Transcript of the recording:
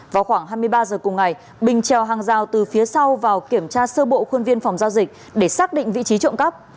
vào khoảng hai mươi ba h cùng ngày bình treo hàng rào từ phía sau vào kiểm tra sơ bộ khuôn viên phòng giao dịch để xác định vị trí trộm cắp